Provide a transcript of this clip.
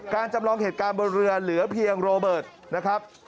จำลองเหตุการณ์บนเรือเหลือเพียงโรเบิร์ตนะครับ